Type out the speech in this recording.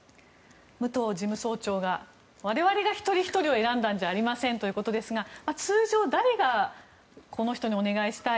武藤事務総長が我々が一人ひとりを選んだんじゃありませんということですが通常、誰がこの人にお願いしたい